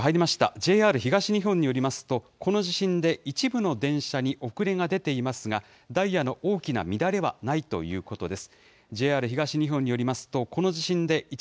ＪＲ東日本によりますと、この地震で一部の電車に遅れが出ていますが、ダイヤの大きな乱れはないということです。